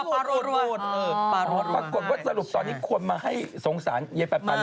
ปรากฎก็สรุปตอนนี้ควรมาให้สงสารเย็นปันปันแล้ว